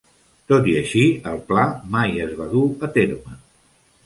Tot i així, el pla mai es va dur a terme.